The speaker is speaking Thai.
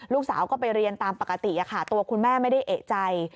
ลูกสาวก็ไปเรียนตามปกติค่ะตัวคุณแม่ไม่ได้เอกใจ